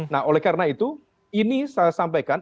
nah oleh karena itu ini saya sampaikan